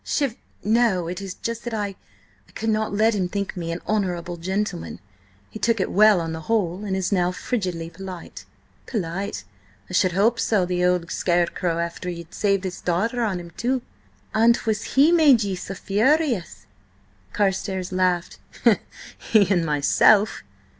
"Chiv—! No. It is just that I could not let him think me an honourable gentleman. He took it well, on the whole, and is now frigidly polite." "Polite! I should hope so! The ould scarecrow, after ye'd saved his daughter on him, too! And 'twas he made ye so furious?" Carstares laughed. "He and myself.